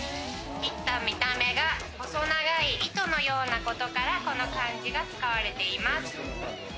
切った見た目が、細長い糸のようなことからこの漢字が使われています。